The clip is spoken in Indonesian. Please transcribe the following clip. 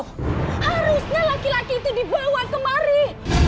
harusnya laki laki itu dibawa kemari